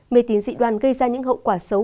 mê tín dị đoan gây ra những hậu quả xấu